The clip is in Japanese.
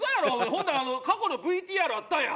ほんなら過去のＶＴＲあったんや。